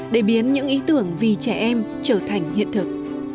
để biến những ý tưởng vì trẻ em trở thành hiện thực